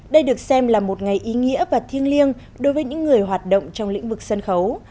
đây được xem là một ngày ý nghĩa và thiêng liêng đối với những người hoạt động trong lĩnh vực sân khấu